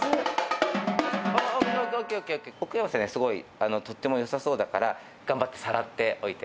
ＯＫ、ＯＫ、奥山さん、すごい、とってもよさそうだから、頑張って、さらっておいて。